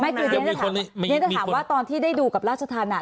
ไม่คือเฮียจะถามว่าตอนที่ได้ดูกับราชธรรมนี้